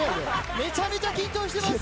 めちゃめちゃ緊張しています。